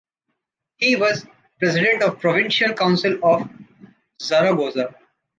He was president of Provincial Council of Zaragoza.